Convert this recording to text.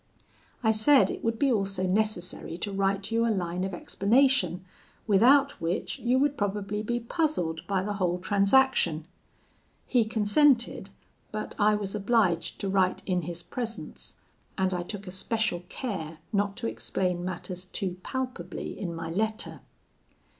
I said it would be also necessary to write you a line of explanation, without which you would probably be puzzled by the whole transaction. He consented; but I was obliged to write in his presence; and I took especial care not to explain matters too palpably in my letter.